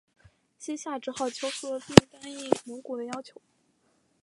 西夏只好求和并答应蒙古的要求。